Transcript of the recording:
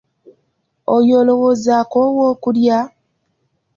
Oyo olowooza akoowa okulya?